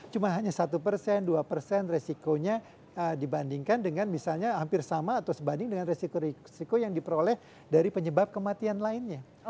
cuma hanya satu persen dua persen resikonya dibandingkan dengan misalnya hampir sama atau sebanding dengan resiko resiko yang diperoleh dari penyebab kematian lainnya